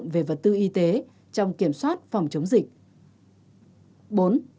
về vật tư y tế trong kiểm soát phòng chống dịch